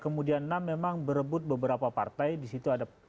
kemudian enam memang berebut beberapa partai di situ ada